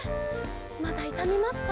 まだいたみますか？